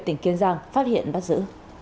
tỉnh kiên giang phát hiện bắt giữ